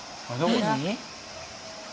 「何？」